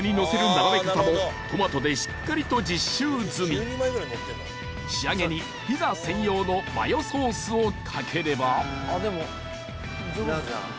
並べ方もトマトでしっかりと実習済み仕上げにピザ専用のマヨソースをかければ上手。